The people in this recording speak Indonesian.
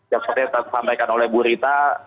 yang seperti disampaikan oleh bu rita